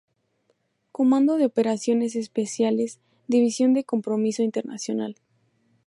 Comando de Operaciones Especiales División de compromiso internacional.